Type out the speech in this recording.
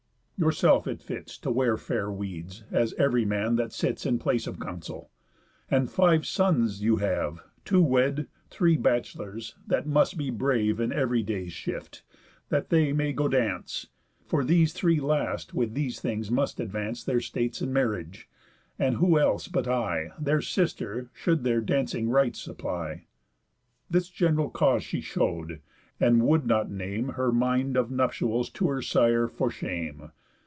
Yourself it fits To wear fair weeds, as ev'ry man that sits In place of council. And five sons you have, Two wed, three bachelors, that must be brave In ev'ry day's shift, that they may go dance; For these three last with these things must advance Their states in marriage, and who else but I, Their sister, should their dancing rites supply?" This gen'ral cause she show'd, and would not name Her mind of nuptials to her sire, for shame.